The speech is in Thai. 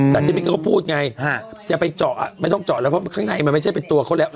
แต่ที่เมื่อกี้เขาพูดไงจะไปเจาะไม่ต้องเจาะแล้วเพราะข้างในมันไม่ใช่เป็นตัวเขาแล้ว